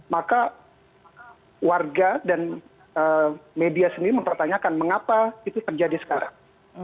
maka warga dan media sendiri mempertanyakan mengapa itu terjadi sekarang